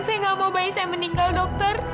saya nggak mau bayi saya meninggal dokter